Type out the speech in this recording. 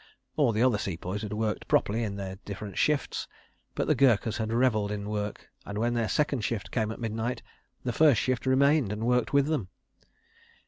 All the other Sepoys had worked properly in their different shifts—but the Gurkhas had revelled in work, and when their second shift came at midnight, the first shift remained and worked with them!